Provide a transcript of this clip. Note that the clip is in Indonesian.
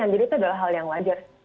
jadi itu adalah hal yang wajar